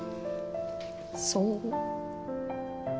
そう？